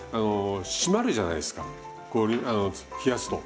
締まるじゃないですか冷やすと。